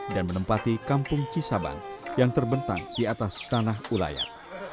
dan menempati kampung cisaban yang terbentang di atas tanah ulayan